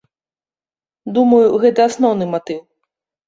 Думаю, гэта асноўны матыў.